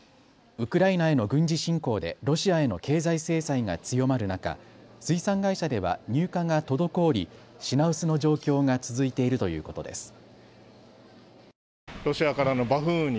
ウクライナの軍事侵攻でロシアへの経済制裁が強まる中、水産会社では入荷が滞り品薄の状況が続いているということです。